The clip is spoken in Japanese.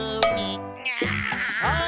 あ。